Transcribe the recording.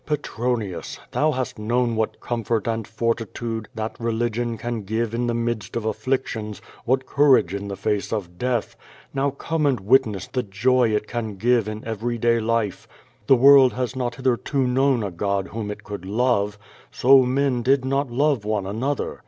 Petronius! thou hast known what com fort and fortitude that religion can give in the midst of afllictions, what courage in the face of death. Now come and witness the joy it can give in every day life. The world has not hitherto known a God whom it could love. So men did not love one another.